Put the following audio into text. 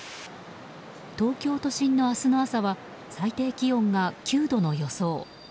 東京都心の明日の朝は最低気温が９度の予想。